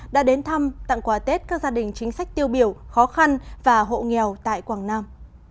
đã đến thăm tặng quà tết các gia đình chính sách tiêu biểu khó khăn và hộ nghèo tại quảng nam